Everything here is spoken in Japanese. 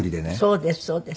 そうですそうです。